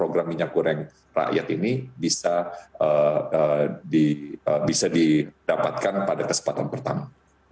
dan minyak goreng rakyat ini bisa didapatkan pada kesempatan pertama